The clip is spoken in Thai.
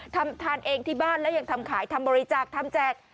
ทำทานเองที่บ้านแล้วยังทำขายทำบริจาคทำแจก